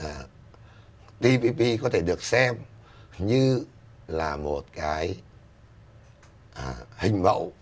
cho nên tpp có thể được xem như là một cái hình mẫu